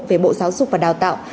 về bộ giáo dục và đào tạo